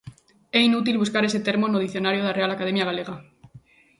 É inútil buscar ese termo no dicionario da Real Academia Galega.